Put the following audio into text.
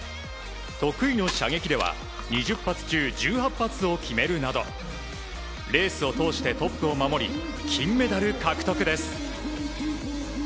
得意の射撃では２０発中１８発を決めるなどレースを通してトップを守り金メダル獲得です。